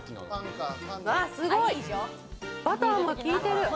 すごい、バターが効いてる。